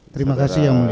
terima kasih ya mulia